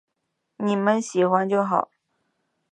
妳们喜欢就好